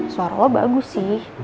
suara lo bagus sih